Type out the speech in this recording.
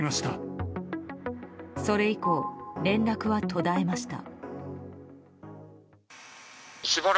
それ以降、連絡は途絶えました。